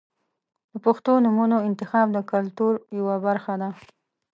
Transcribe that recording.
• د پښتو نومونو انتخاب د کلتور یوه برخه ده.